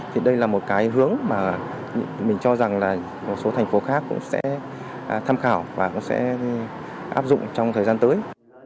thì đây là một cái hướng mà mình cho rằng là một số thành phố khác cũng sẽ tham khảo và cũng sẽ áp dụng trong thời gian tới